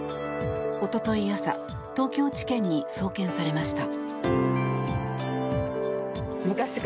一昨日朝東京地検に送検されました。